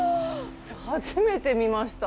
初めて見ました。